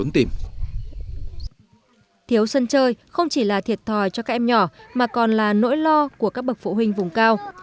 thiếu sân chơi không chỉ là thiệt thòi cho các em nhỏ mà còn là nỗi lo của các bậc phụ huynh vùng cao